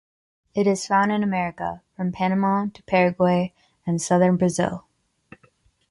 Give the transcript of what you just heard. It is found in America: from Panama to Paraguay and southern Brazil.